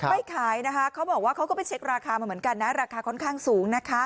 ไม่ขายเขาบอกว่าเขาไปเช็คราคาเหมือนกันราคาค่อนข้างสูง